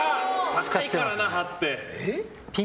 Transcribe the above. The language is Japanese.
高いからな、歯って。